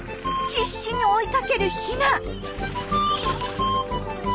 必死に追いかけるヒナ。